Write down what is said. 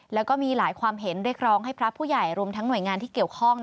แล้วก็มีหลายความเห็นเรียกร้องให้พระผู้ใหญ่รวมทั้งหน่วยงานที่เกี่ยวข้อง